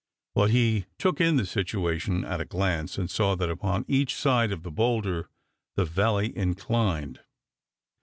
But he took in the situation at a glance, and saw that upon each side of the bowlder the valley inclined.